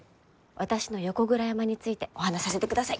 私の横倉山についてお話しさせてください！